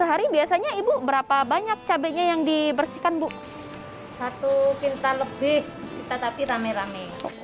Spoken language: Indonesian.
hari biasanya ibu berapa banyak cabainya yang dibersihkan bu satu pintar lebih kita tapi rame rame